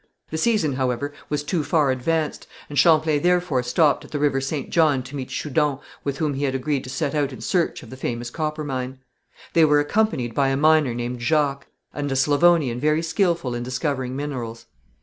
The season, however, was too far advanced, and Champlain therefore stopped at the river St. John to meet Schoudon, with whom he agreed to set out in search of the famous copper mine. They were accompanied by a miner named Jacques, and a Slavonian very skilful in discovering minerals.